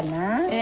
え